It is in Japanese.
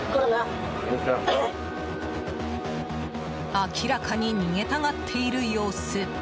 明らかに逃げたがっている様子。